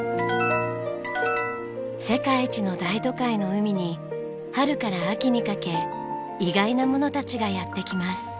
世界一の大都会の海に春から秋にかけ意外なものたちがやって来ます。